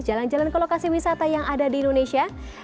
jalan jalan ke lokasi wisata yang ada di indonesia